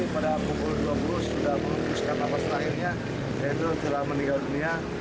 pada pukul dua puluh sudah menutupkan apa selainnya yaitu telah meninggal dunia